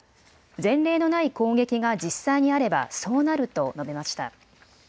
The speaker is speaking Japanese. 前例のない攻撃が実際にあればそうなると述べました。